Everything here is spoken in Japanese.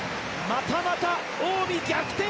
またまた近江逆転。